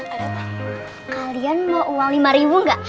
kalian mau uang lima ribu nggak